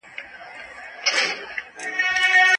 رسول الله د خپلو لوڼو په مهرونو کي څه کړي دي؟